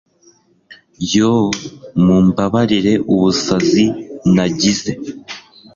Yoo Mumbabarire ubusazi nagize